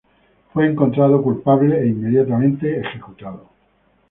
Fue encontrado culpable e inmediatamente ejecutado.